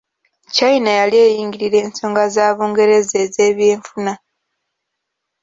China yali eyingirira ensonga za Bungereza ez'ebyenfuna.